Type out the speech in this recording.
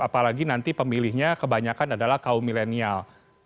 apalagi nanti pemilihnya kebanyakan adalah kaum milenial